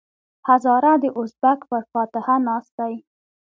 هزاره د ازبک پر فاتحه ناست دی.